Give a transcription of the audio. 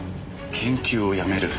研究をやめる。